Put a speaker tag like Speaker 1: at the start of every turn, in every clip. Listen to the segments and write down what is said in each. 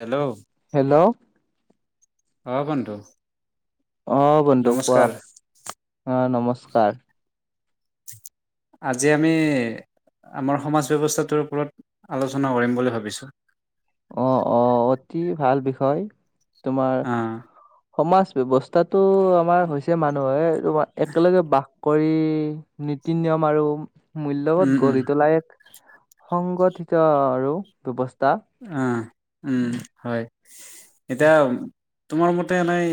Speaker 1: Hello
Speaker 2: hello.
Speaker 1: অহ বন্ধু।
Speaker 2: অহ বন্ধু কোৱা
Speaker 1: নমস্কাৰ
Speaker 2: অহ নমস্কাৰ। কাৰ।
Speaker 1: আজি আমি আমাৰ সমাজ ব্যৱস্থাটোৰ ওপৰত আলোচনা কৰিম বুলি ভাবিছোঁ।
Speaker 2: অহ অহ অতি ভাল বিষয়। তোমাৰ
Speaker 1: অ
Speaker 2: সমাজ ব্যৱস্থাটো আমাৰ হৈছে মানুহে তোমাৰ একেলগে বাস কৰি নীতি নিয়ম আৰু মূল্যবোধ
Speaker 1: উম উম
Speaker 2: গঢ়ি তোলা এক সংগঠিত আৰু ব্যৱ
Speaker 1: আহ উম হয় এতিয়া তোমাৰ মতে এনেই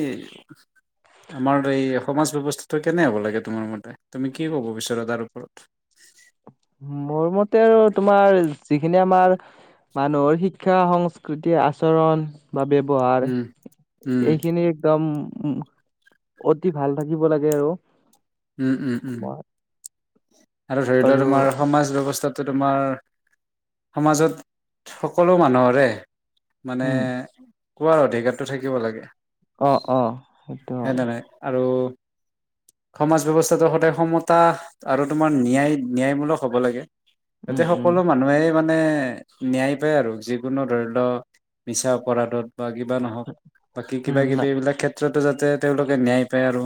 Speaker 1: আমাৰ এই সমাজ ব্যৱস্থাটো কেনে হ'ব লাগে তোমাৰ মতে তুমি কি ক'ব বিচৰা তাৰ ওপৰত
Speaker 2: মোৰ ম তে আৰু তোমাৰ যিখিনি আমাৰ মানুহৰ শিক্ষা সংস্কৃতি আচৰণ বা ব্যৱহাৰ
Speaker 1: উম উম
Speaker 2: এইখিনি একদম উম অতি ভাল থাকিব লাগে আৰু
Speaker 1: উম উম উম
Speaker 2: তোমাৰ
Speaker 1: [inaudible] আৰু ধৰি লোৱা তোমাৰ সমাজ ব্যৱস্থাটো তোমাৰ সমাজত সকলো মানুহৰে মানে
Speaker 2: উম
Speaker 1: কোৱাৰ অধিকাৰতো থাকিব লাগে
Speaker 2: অহ অহ সেইটো হয়
Speaker 1: নে নাই আৰু সমাজ ব্যৱস্থাটো সদায় সমতা আৰু তোমাৰ ন্যায় ন্যায়মূলক হ'ব লাগে যাতে
Speaker 2: উম, উম,
Speaker 1: সকলো মানুহে মানে ন্যায় পায় আৰু যিকোনো ধৰি লওঁ মিছা অপৰাধত বা কিবা নহওঁক বাকি
Speaker 2: উম,
Speaker 1: কিবা
Speaker 2: ন
Speaker 1: কিবি এইবিলাক ক্ষে ত্ৰতো যাতে তেওঁলোকে ন্যায় পায় আৰু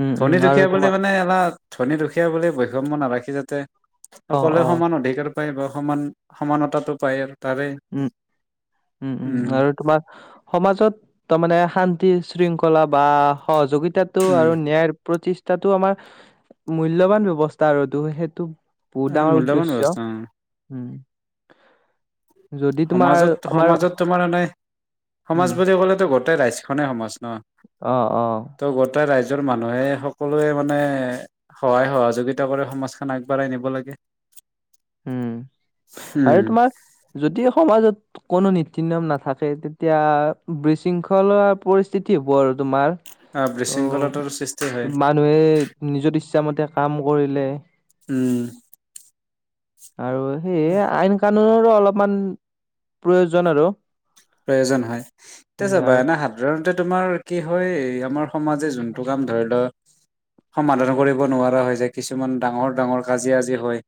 Speaker 2: উম, উম,
Speaker 1: ধনী
Speaker 2: আৰু
Speaker 1: দুখীয়া বুলি
Speaker 2: তোমাৰ
Speaker 1: মানে আমাৰ ধনী দুখীয়া বুলি বৈষম্য নাৰাখি যাতে
Speaker 2: অ',
Speaker 1: সকলোৱে
Speaker 2: অ',
Speaker 1: সমান অধিকাৰ পাই বা সমান সমানতাটো পায় আৰু। তাৰে
Speaker 2: উম, উম, উম আৰু তোমাৰ সমাজত তাৰ মানে শান্ত তি শৃংখলা বা সহযোগিতাটো আৰু
Speaker 1: উম
Speaker 2: ন্যায়ৰ প্ৰতি তাটো আমাৰ মূল্যৱান ব্যৱস্থা আৰুটো সেইটো বহুত ডাঙৰ
Speaker 1: মূল্যবান
Speaker 2: উদ্দেশ্য,
Speaker 1: ব্যৱস্থা অ
Speaker 2: উম। যদি তোমাৰ
Speaker 1: সমাজত
Speaker 2: আমাৰ
Speaker 1: সমাজত তোমাৰ এনে সমাজ
Speaker 2: উম,
Speaker 1: বুলি ক'লেটো গত তে ৰাইজখনেই সমাজ। অ',
Speaker 2: অ', অ',
Speaker 1: ত' গোটেই ৰাইজ জৰ মানুহে সকলোৱে মানে সহায় সহযোগিতা কৰি সমাজখন আগবঢ়াই নিব লাগে।
Speaker 2: উম আৰু
Speaker 1: উম
Speaker 2: তোমাৰ যদি সমাজত কোনো নীতি নিয়ম নাথাকে তেতিয়া বিশৃংখলা পৰিস্থিতি হোৱাৰ তোমাৰ
Speaker 1: বিশৃংখলতাৰ সৃষ্টি হয়
Speaker 2: অ' মানুহে নিজৰ ইচ্ছা মতে কাম কৰিলে
Speaker 1: উম।
Speaker 2: আৰু সেইয়ে আইন কানুনৰো অলপ অলপমান প্ৰয়োজন আৰু।
Speaker 1: প্ৰয়োজন হয়, এতিয়া
Speaker 2: উম
Speaker 1: চাবা
Speaker 2: আৰু
Speaker 1: এনে সাধাৰণতে তোমাৰ কি হয় আমাৰ সমাজে যোনটো কাম ধৰি লও সমাধান কৰিব নোৱাৰা হয় যায় কিছুমান ডাঙৰ ডাঙৰ কাজিয়া যি হয়,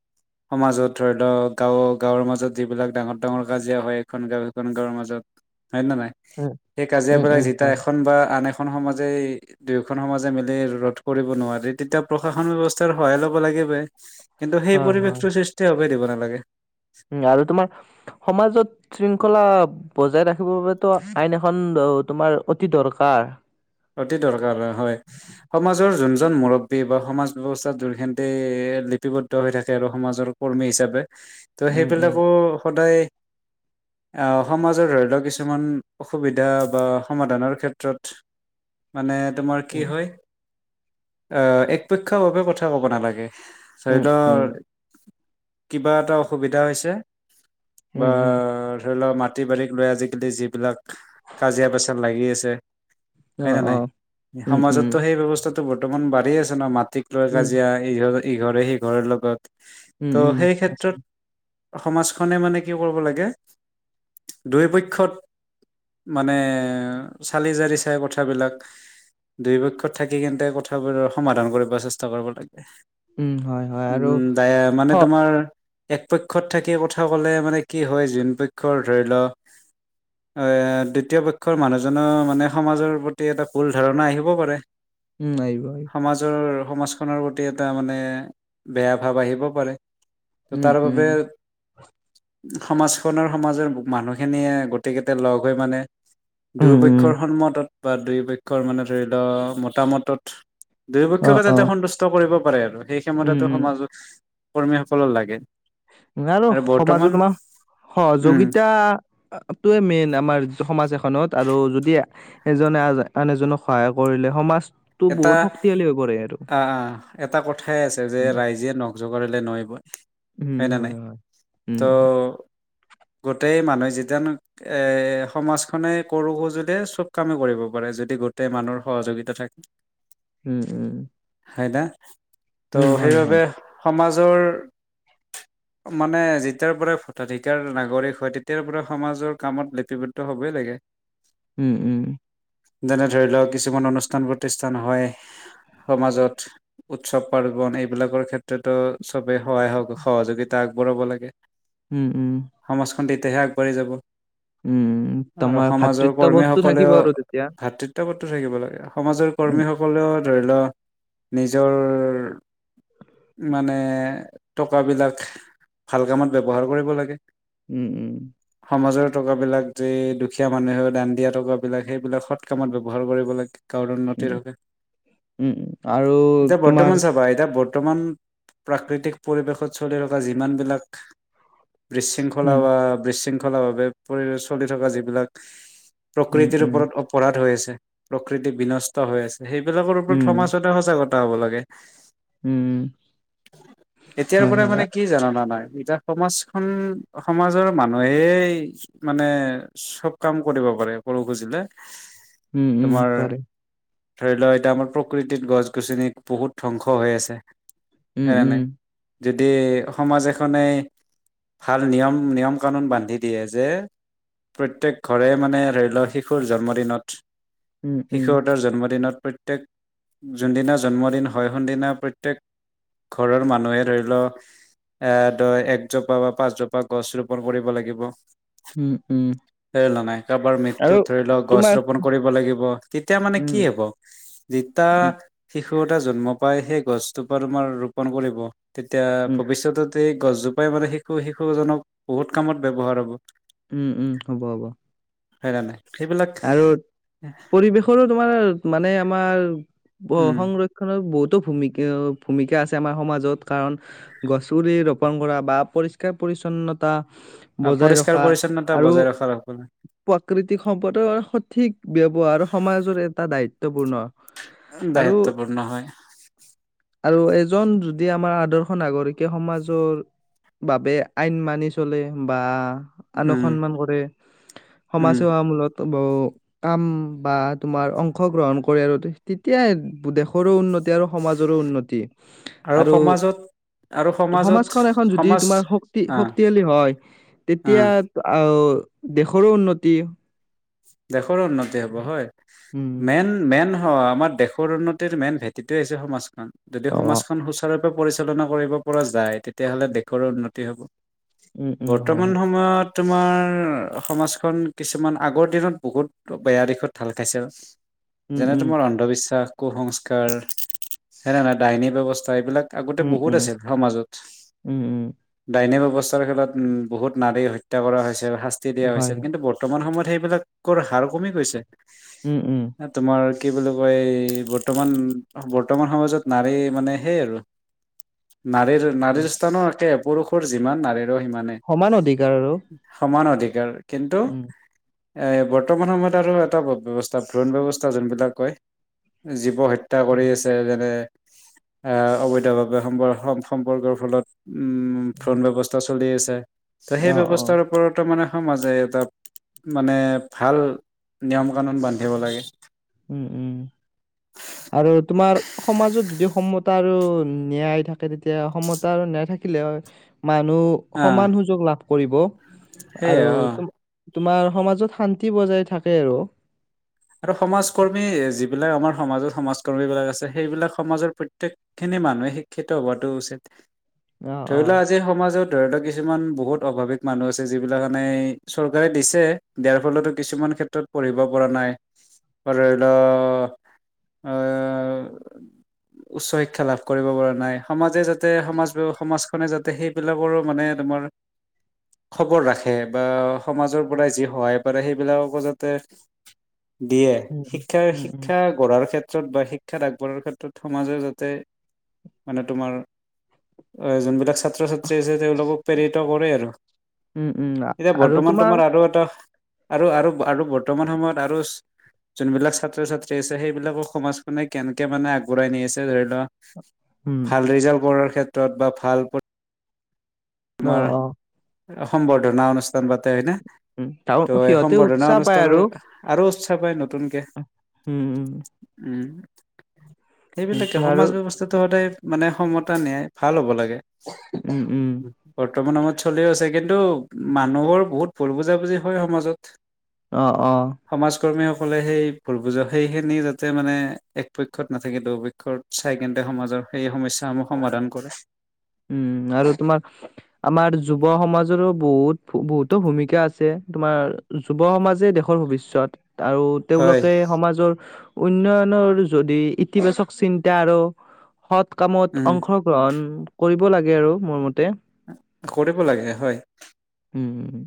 Speaker 1: সমাজত ধৰি লওক গাওঁ গাঁৱৰ মাজত যিবিলাক ডাঙৰ ডাঙৰ কাজিয়া হয় এখন গাওঁয়ে সিখন গাঁৱৰ মাজত। হয় নে নাই?
Speaker 2: উম
Speaker 1: সেই কাজিয়াবিলাক
Speaker 2: উম
Speaker 1: যেতিয়া
Speaker 2: উম
Speaker 1: এখন বা আন এখন খন সমাজেই দুয়োখন সমাজে মিলি ৰোধ কৰিব নোৱাৰি তেতিয়া প্ৰশাসন ব্যৱস্থাৰ সহায় ল'ব লাগিব। কিন্তু সেই
Speaker 2: হয় হয় হয়
Speaker 1: পৰিৱেশটো সৃষ্টি হ'বই দিব না লাগে
Speaker 2: উম আৰু তোমাৰ সমাজত শৃংখলা বজাই ৰাখিবৰ বাবেতো আইন এখন ড তোমাৰ অতি দৰকাৰ।
Speaker 1: অতি এজন মুৰব্বী বা সমাজ ব্যৱস্থা দুৰ্ঘিন্তই লিপিবদ্ধ হৈ থাকে আৰু সমাজৰ কৰ্মী হিচাপে। ত'
Speaker 2: উম উম
Speaker 1: সেইবিলাকো সদাই অ' সমাজৰ ধৰি লওক কিছুমান অসুবিধা বা সমাধানৰ ক্ষেত্ৰত মানে তোমাৰ কি
Speaker 2: উম
Speaker 1: হয়? অ', একপক্ষভাৱে কথা ক'ব নালাগে।
Speaker 2: উম
Speaker 1: চাইডৰ
Speaker 2: উম
Speaker 1: কিবা এটা অসুবিধা হৈছে। বা
Speaker 2: উম উম
Speaker 1: ধৰি লওক মা খেতি বাৰীক লৈ আজিকালি যিবিলাক কাজিয়া পেচাল লাগি আছে
Speaker 2: অ
Speaker 1: হয় নে
Speaker 2: অ
Speaker 1: নাই?
Speaker 2: উম উম
Speaker 1: সমাজতো সেই ব্যৱস্থা বৰ্তমান বাঢ়ি আছে ন'। মা মাটিক লৈ
Speaker 2: উম
Speaker 1: কাজিয়া [unintelligible] ইঘৰে সি ঘৰৰ লগত। ত'
Speaker 2: উম! উম!
Speaker 1: সেই
Speaker 2: আছে।
Speaker 1: ক্ষেত্ৰত সমাজখনে মানে, কি কৰিব লাগে, দুয়োপক্ষত মানে, চালি জাৰি চাই কথা কথাবিলাক দুয়োপক্ষত থাকি কেনে কথাবোৰৰ সমাধান কৰিব চেষ্টা কৰিব লাগে।
Speaker 2: উম হয় হয় আৰু
Speaker 1: উম, দাই মানে
Speaker 2: হ
Speaker 1: তোমাৰ এক পক্ষত থাকি কথা ক'লে মানে, কি হয় যোন পক্ষৰ ধৰি লওক এ, দ্বিতীয় পক্ষৰ মানুহজনৰ মানে সমাজৰ প্ৰ প্ৰতি এটা ভুল ধাৰণা আহিব পাৰে।
Speaker 2: উম! আহিবই।
Speaker 1: সমাজৰ সমাজখনৰ প্ৰতি এটা মানে, বেয়া ভাৱ আহিব পাৰে। ত'
Speaker 2: উম!
Speaker 1: তাৰ বাবে
Speaker 2: উম!
Speaker 1: সমাজখনৰ, সমাজৰ মানুহখিনিয়ে গোটেইকেইটা লগ হৈ মানে
Speaker 2: উম উম
Speaker 1: দুয়োপক্ষৰ সন্মতত বা দুয়োপক্ষৰ মানে ধৰি লওক মতামতত
Speaker 2: অ
Speaker 1: দুয়োপক্ষকে
Speaker 2: অ
Speaker 1: যাতে সন্তুষ্ট কৰিব পাৰে আৰু। সেই
Speaker 2: উম
Speaker 1: ক্ষমতাতো
Speaker 2: উম
Speaker 1: সমাজক কৰ্মীসকলক লাগে। আৰু
Speaker 2: [unintelligible]
Speaker 1: বৰ্তমান
Speaker 2: সমাজত আমাৰ
Speaker 1: উম
Speaker 2: সহযোগিতাটোৱে মেইন আমাৰ সমাজ এখনত আৰু য যদি এজনে, আন এজনক সহায় কৰিলে। সমাজ
Speaker 1: এটা আঁ এটা কথাই আছে যে
Speaker 2: উম,
Speaker 1: ৰাইজে নখ জোকাৰিলে নৈ বৈ।
Speaker 2: উম, হয়, হয়। উম!
Speaker 1: গোটেই মানুহে যেতিয়া ন' সমাজখনে কৰোঁ খুজিলে চব কামে কৰিব পাৰে। যদি গোটেই মানুহৰ সহযোগিতা থাকে।
Speaker 2: উম! উম!
Speaker 1: হয়না? ত'
Speaker 2: হয়, হয়,
Speaker 1: সেইবাবে সমাজৰ মানে, যেতিয়াৰ পৰা ভোটাধিকাৰ নাগৰিক হয়। তেতিয়াৰ পৰা সমাজৰ কামত লিপিবদ্ধ হ'বই লাগে।
Speaker 2: উম, উম,
Speaker 1: যেনে ধৰি লওক কিছুমান অনু চন ব'ৰ্ড তিষ্ঠান হয়। সমাজত উৎসৱ পাৰ্বন এইবিলাকৰ ক্ষেত্ৰতো সবে সহায় সগ সহযোগিতা আগবঢ়াব লাগে।
Speaker 2: উ উম।
Speaker 1: খন তেতিয়াহে আগবাঢ়ি যাব।
Speaker 2: উম
Speaker 1: আৰু
Speaker 2: তমই
Speaker 1: সমাজৰ
Speaker 2: ভাতৃত্ববোধটো থাকিব আৰু তেতিয়া।
Speaker 1: টো থাকিব লাগে। সমত
Speaker 2: উম,
Speaker 1: কৰ্মীসকলেও ধৰি ল নিজৰ মানে টকাবিলাক ভাল কামত ব্যৱহাৰ কৰিব লাগে।
Speaker 2: উ উম।
Speaker 1: সমাজৰ টকাবিলাক যে দুখীয়া মানুহে দান দিয়া টকাবিলাক সেইবিলাক সৎ কামত ব্যৱহাৰ কৰিব লাগে। কাৰণ
Speaker 2: উ উম উ আৰু
Speaker 1: এতিয়া বৰ্তমান
Speaker 2: তোমাৰ
Speaker 1: চাবা এতিয়া বৰ্তমান প্ৰাকৃতিক পৰিৱেশত চলি থকা যিমানবিলাক বৃশৃংখলা
Speaker 2: উম,
Speaker 1: বা বৃশৃংখ শৃংখলা ভাৱে পৰি চলি থকা যিবিলাক
Speaker 2: উম,
Speaker 1: প্ৰকৃতিৰ
Speaker 2: উম,
Speaker 1: ওপৰত অপৰাধ হৈ আছে প্ৰকৃতি বিনষ্ট হৈ আছে। সেইবিলাকৰ ওপৰত
Speaker 2: উম,
Speaker 1: সমাজতে সজাগতা হ'ব লাগে।
Speaker 2: উম,
Speaker 1: এতিয়াৰ
Speaker 2: হয়,
Speaker 1: পৰা মানে
Speaker 2: হয়,
Speaker 1: কি জানানা নাই? এতিয়া সমাজখন সমাজৰ মানুহেই মানে চব কাম কৰিব পাৰে কৰো খুজিলে।।
Speaker 2: উম উম
Speaker 1: তোমাৰ
Speaker 2: পাৰে।
Speaker 1: ধৰি লও এতিয়া আমাৰ প্ৰকৃতিত গছ গছনিত বহুত ধ্বংস হৈ আছে।
Speaker 2: উম
Speaker 1: হয়ে
Speaker 2: উম।
Speaker 1: নাই যদি সমাজ এখনেই ভাল নিয়ম নিয়ম কানুন বান্ধি দিয়ে যে প্ৰত্যয়েক ঘৰে মানে ধৰি লওক শিশুৰ জন্মদিনত
Speaker 2: উম, উম,
Speaker 1: শিশু এটাৰ জন্মদিনত। প্ৰত্যেক, যোনদিনা জন্মদিন হয় সোনদিনা প্ৰত্যক ঘৰৰ মানুহে ধৰি লও এ একজোপা বা পাঁচজোপা গছ ৰোপন কৰিব লাগিব। [unintelligible]
Speaker 2: উম, উম।
Speaker 1: নাই কাৰোবাৰ
Speaker 2: আৰু
Speaker 1: মৃত্যুত ধৰি লওক গছ
Speaker 2: তোমাৰ
Speaker 1: ৰোপন কৰিব লাগিব। তেতিয়া মানে
Speaker 2: উম
Speaker 1: কি হ'ব, যেতিয়া
Speaker 2: উম
Speaker 1: শিশু এটা জন্ম পাই, সেই গছজোপা তোমাৰ ৰোপন কৰিব। তেতিয়া
Speaker 2: উম
Speaker 1: ভৱিষ্যতত তে গছজোপাই মানে শিশু শিশুজনক বহুত কামত ব্যৱহাৰ হ'ব।
Speaker 2: উম উম, হ'ব হ'ব।
Speaker 1: হয় না নাই? সেইবিলাক
Speaker 2: সৰু তোমাৰ মানে আমাৰ
Speaker 1: উম
Speaker 2: বহনৰক্ষনৰ বহুত তো ভূমিকাও-ভূমিকা আছে আমাৰ সমাজত। কাৰণ গছপুলি ৰোপণ কৰা বা পৰিষ্কাৰ-পৰিচ্ছন্নতা বজাই
Speaker 1: পৰিষ্কাৰ
Speaker 2: ৰখা
Speaker 1: পৰিচ্ছন্নতা
Speaker 2: আৰু
Speaker 1: বজাই ৰখাৰ
Speaker 2: প্ৰাকৃতিক সম্পদ ৰ সঠিক ব্যৱহাৰ সমাজৰ এটা দা দায়িত্বপূৰ্ণ। আৰু
Speaker 1: দায়িত্বপূৰ্ণ হয়।
Speaker 2: আৰু এজন যদি আমাৰ আদৰ্শ নাগৰিকে সমাজৰ বাবে আইন মানি চলে বা আনক
Speaker 1: উম
Speaker 2: সন্মান কৰে, সমাজ
Speaker 1: উম
Speaker 2: সেৱা মূলত ব কাম বা তোমাৰ অংশগ্ৰহণ কৰে আৰু তেতিয়া দেশৰো উন্নতি তে আৰু সমাজৰো উন্নতি আৰু
Speaker 1: আৰু সমাজত
Speaker 2: সমাজখন এখন যদি
Speaker 1: সমাজ
Speaker 2: তোমাৰ
Speaker 1: আহ
Speaker 2: শক্তি-শক্তিশালী হয়, তেতিয়া
Speaker 1: আহ
Speaker 2: আও দেশৰো উন্নতি।
Speaker 1: দেশ শৰো উন্নতি হ'ব হয়।
Speaker 2: উম
Speaker 1: মেন-মেন অ-, আমাৰ দেশৰ উন্নতিৰ মেইন ভেটিটোৱে হৈছে সমাজ খন, যদি
Speaker 2: অ
Speaker 1: সমাজখন সুচাৰু পৰিচালনা কৰিব পৰা যায়, তেতিয়াহ'লে দেশৰো উন্নতি হ'ব।
Speaker 2: উম উম হয়
Speaker 1: বৰ্তমান
Speaker 2: হয়
Speaker 1: সময়ত তোমাৰ সমাজখন কিছুমান আগৰ দিনত বহুত বেয়া দিশত ঢাল খাইছে।
Speaker 2: উম
Speaker 1: যেনে
Speaker 2: উম
Speaker 1: তোমাৰ অন্ধবিশ্বাস কুসংস্কাৰ, সেনেহেনে ডাইনী ব্যৱস্থা এইবিলাক আগতে
Speaker 2: উম
Speaker 1: বহুত
Speaker 2: উম
Speaker 1: আছিল সমাজত।
Speaker 2: উম
Speaker 1: ডাইনী ব্যৱ [unintelligible] ক্ষেত্ৰত উম বহুত নাৰী হত্যা কৰা হৈছে। শাস্তি
Speaker 2: উম
Speaker 1: দিয়া
Speaker 2: হয়
Speaker 1: হৈছিল,
Speaker 2: হয়
Speaker 1: কিন্তু বৰ্তমান সময়ত সেইবিলাক কৰ হাৰ কমি গৈছে।
Speaker 2: উম উম
Speaker 1: এ তোমাৰ কি বুলি কয় এই, বৰ্তমান, বৰ্তমান সমাজত নাৰী মানে সেই আৰু
Speaker 2: উম,
Speaker 1: নাৰীৰ-নাৰীৰ স্থানো একে। পুৰুষৰ যিমান নাৰীৰ ৰো সিমানে।
Speaker 2: সমান অধিকাৰ আৰু
Speaker 1: সমান অধিক কাৰ কিন্তু
Speaker 2: উম
Speaker 1: এই বৰ্তমান সময়ত আৰু এটা ব্য ব্যৱস্থা ভ্ৰণ ব্যৱস্থা যোনবিলাক কয়, জীৱ হত্যা হত্যা কৰি
Speaker 2: উম
Speaker 1: আছে, যেনে আ অবৈধভাৱে সম্প সম্পৰ্কৰ ফলত উম ভ্ৰন ব্যৱস্থা চলি আছে। তহ
Speaker 2: অ
Speaker 1: সেই
Speaker 2: অ
Speaker 1: ব্যৱস্থাৰ ওপৰতো মানে সমাজে এই এটা মানে ভাল নিয়ম কানুন বান্ধিব লাগে
Speaker 2: উম উম আৰু তোমাৰ সমাজত যদি সমতা আৰু ন্যায় থাকে তেতিয়া সমতা আৰু ন্যায় থাকিলে মানুহ
Speaker 1: আহ
Speaker 2: সমান সুযোগ লাভ কৰিব আৰু
Speaker 1: সেইয়া অ
Speaker 2: তোমা তোমাৰ সমাজত শান্তি কি বজাই থাকে আৰু
Speaker 1: আৰু সমাজ কৰ্মী যিবিলাক আমাৰ সমাজত সমাজ কৰ্মী বিলাক আছে সেইবিলাক সমাজৰ প্ৰত্যেক খিনি মানুহে শিক্ষিত হোৱাটো উচিত
Speaker 2: অ অ
Speaker 1: ধৰি লোৱা আজিৰ সমাজত ধৰিল' কিছুমান বহুত প্ৰভাৱিক মানুহ আছে যিবিলাক মানে চৰকাৰে দিছে দিয়াৰ ফলতো কিছুমান ক্ষেত্ৰত পঢ়িব পৰা নাই ধৰি লও আহ উচ্চ শিক্ষা লাভ কৰিব পৰা নাই সমাজে যাতে যাতে সমাজ সমাজখনে যাতে সেই সেইবিলাকৰো মানে তোমাৰ খবৰ ৰাখে বা সমাজৰ পৰা যি সহায় পাৰে সেইবিলাককো যাতে দিয়ে
Speaker 2: উম
Speaker 1: শিক্ষা
Speaker 2: উম উম
Speaker 1: শিক্ষা গঢ়াৰ ক্ষে য'ত বা শিক্ষাত আগবঢ়াৰ ক্ষেত্ৰত সমাজে যাতে মানে তোমাৰ যোনবিলাক ছাত্ৰ- ছাত্ৰী আছে তেওঁলোকক প্ৰেৰিত কৰে আৰু
Speaker 2: উম উম উম
Speaker 1: এতিয়া
Speaker 2: আৰু
Speaker 1: বৰ্তমান তোমাৰ আৰু এটা আৰু আৰু আৰু বৰ্তমান সময়ত আৰু যোনবিলাক ছাত্ৰ -ছাত্ৰী আছে সেইবিলাকক সমাজখনে কেনেকে মানে আগবঢ়াই নি আছে ধৰি
Speaker 2: উম
Speaker 1: লোৱা ভাল ৰিজাল্ট কৰাৰ ক্ষেত্ৰত বা ভাল
Speaker 2: অহ
Speaker 1: তোমাৰ
Speaker 2: অহ
Speaker 1: সম্বৰ্ধনা অনুষ্ঠান পাতে হয়নে?
Speaker 2: উম তাহো
Speaker 1: ত' এই
Speaker 2: সিহঁতে
Speaker 1: সম্বৰ্ধনা
Speaker 2: উৎসাহ পায়
Speaker 1: অনুষ্ঠানৰ
Speaker 2: আৰু
Speaker 1: আৰু উৎসাহ পায় নতুনকে
Speaker 2: হো উম
Speaker 1: উম সেইবিলাকে
Speaker 2: সেইটো আৰু
Speaker 1: সমাজ ব্যৱস্থাটো সদায় মানে সমতা ন্যায় ভাল হ'ব লাগে
Speaker 2: উম উম
Speaker 1: বৰ্তমান সময়ত চলিও আছে কিন্তু কিন্তু মানুহৰ বহুত ভুল বুজাবুজি হয় সমাজত।
Speaker 2: অ', অ'।
Speaker 1: সকলে সেই ভুল বুজা সেইখিনি যাতে মানে এক পক্ষত নাথাকে দুয়োপক্ষত চাই তেন্তে সমাজৰ সেই সমস্যা আমা সমাধান কৰে।
Speaker 2: উম আৰু তোমাৰ আমাৰ যুৱ সমাজৰো বহুত বহুতো ভূমিকা আছে তোমাৰ যুৱ সমাজে দেশৰ ভৱিষ্যত। আৰু
Speaker 1: হয়
Speaker 2: তেওঁলোকে সমাজৰ উন্নয়নৰ যদি ইতিবাচক চিন্তা আৰু সৎ কামত
Speaker 1: উম
Speaker 2: অংশগ্ৰহণ কৰিব লাগে আৰু মোৰ মতে।
Speaker 1: কৰিব লাগে হয়।
Speaker 2: উম, হম, হম।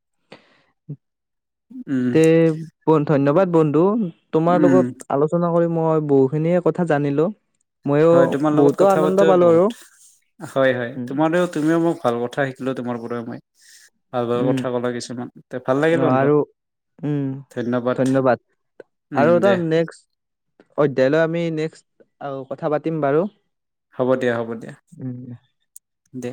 Speaker 2: [inaudible]
Speaker 1: উম
Speaker 2: তে ধন্যবাদ বন্ধু তোমাৰ
Speaker 1: উম
Speaker 2: লগত আলোচনা কৰি মই বহুখিনিয়ে কথা জানিলো। ময়ো
Speaker 1: হয় তোমাৰ লগত
Speaker 2: বহুতো
Speaker 1: কথা
Speaker 2: আনন্দ
Speaker 1: পাতাই
Speaker 2: পালো আৰু
Speaker 1: বহুত হয়, হয়
Speaker 2: উম
Speaker 1: তোমাল তুমিও মোক ভাল কথা শিকিলোঁ তোমাৰ পৰা মই। [inaudible] আগৰ
Speaker 2: উম
Speaker 1: কথা ক'লা কিছুমান তে ভাল
Speaker 2: অ
Speaker 1: লাগিল বন্ধু।
Speaker 2: আৰু উম
Speaker 1: ধন্যবাদ। উম, দে।
Speaker 2: অধ্যয়ালৈ আমি নেক্সট আৰু কথা পাতিম বাৰু।
Speaker 1: হ'ব দিয়া। হ'ব দেয়া।
Speaker 2: উম
Speaker 1: দে।